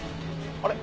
あれ？